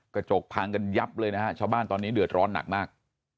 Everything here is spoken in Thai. กระจกพังกันยับเลยนะฮะชาวบ้านตอนนี้เดือดร้อนหนักมาก